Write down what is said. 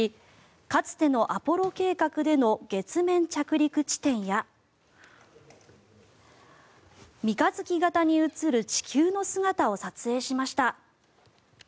かつてのアポロ計画での月面着陸地点や三日月形に写る地球の姿を撮影しました。